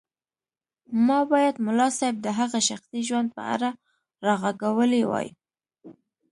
ما بايد ملا صيب د هغه شخصي ژوند په اړه راغږولی وای.